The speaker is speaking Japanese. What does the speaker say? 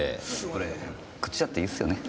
これ食っちゃっていいっすよね？